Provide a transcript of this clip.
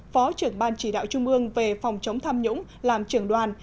phó trưởng ban chỉ đạo trung ương về phòng chống tham nhũng làm trưởng đoàn